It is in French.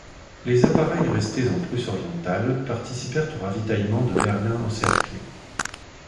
Les appareils restés en Prusse-Orientale participèrent au ravitaillement de Berlin encerclé.